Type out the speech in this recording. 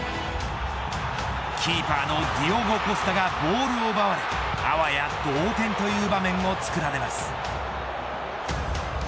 キーパーのディオゴ・コスタがボールを奪われあわや同点という場面を作られます。